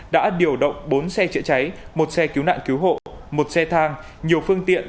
đã điều động bốn xe chữa cháy một xe cứu nạn cứu hộ một xe thang nhiều phương tiện